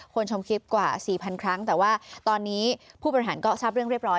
คนชมคลิปกว่า๔๐๐๐ครั้งแต่ว่าตอนนี้ผู้ประหลาดก็ทรัพย์เรื่องเรียบร้อย